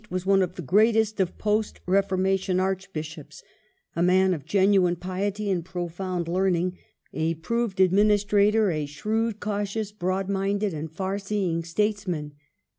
Tait was one of the greatest of post Reformation Archbishops : a man of genuine piety and profound learning, a proved administrator, a shrewd, cautious, broad minded and far seeing statesman.